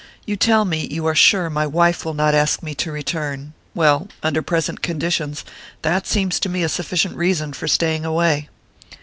You tell me you are sure my wife will not ask me to return well, under present conditions that seems to me a sufficient reason for staying away.